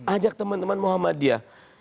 ajak teman teman muhammadiyah